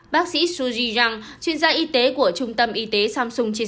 bác sĩ suzy jang chuyên gia y tế của trung tâm y tế samsung chia sẻ